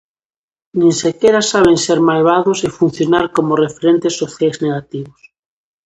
Nin sequera saben ser malvados e funcionar como referentes sociais negativos.